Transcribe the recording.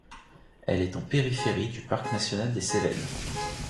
Elle est en périphérie du parc national des Cévennes.